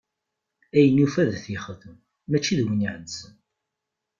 Ayen yufa ad t-yexdem, mačči d win iɛeddzen.